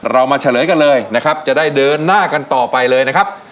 เรามาเฉลยกันเลยจะได้เดินหน้ากันต่อไปเลย